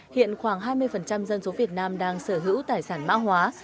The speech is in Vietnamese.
hiện khoảng hai mươi dân số việt nam đang sở hữu tài sản mã hóa